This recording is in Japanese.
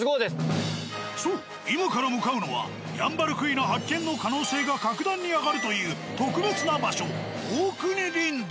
そう今から向かうのはヤンバルクイナ発見の可能性が各段に上がるという特別な場所大国林道。